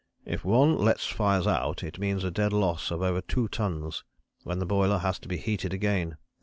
"If one lets fires out it means a dead loss of over two tons, when the boiler has to be heated again.